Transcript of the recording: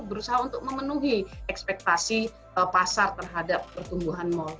berusaha untuk memenuhi ekspektasi pasar terhadap pertumbuhan mal